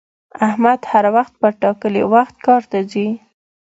احمد هر وخت په ټاکلي وخت کار ته ځي